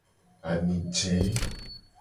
Ami je.